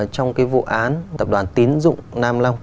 trong cái vụ án tập đoàn tín dụng nam long